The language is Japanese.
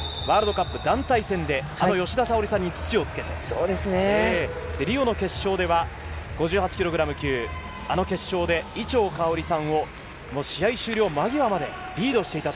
この人はロンドンオリンピックの前にワールドカップ団体戦で吉田沙保里さんに土をつけてリオの決勝では５８ｋｇ級、あの決勝で伊調馨さんを試合終了間際までリードしていた。